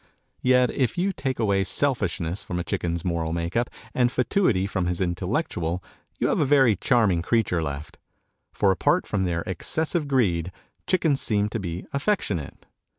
Yet if you take away selfishness from a chicken's moral make up, and fatuity from his intellectual, you have a very charming creature left. For, apart from their excessive greed, chickens seem to be affectionate.